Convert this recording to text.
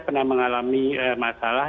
pernah mengalami masalah